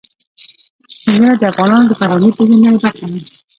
سیندونه د افغانانو د فرهنګي پیژندنې برخه ده.